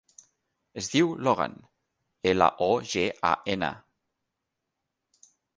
Es diu Logan: ela, o, ge, a, ena.